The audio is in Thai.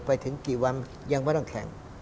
ไปถึงกี่วันยังไม่ต้องแข่ง